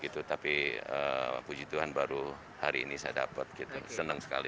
tapi puji tuhan baru hari ini saya dapat gitu senang sekali